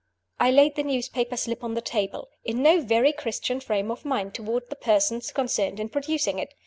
I laid the newspaper slip on the table, in no very Christian frame of mind toward the persons concerned in producing it.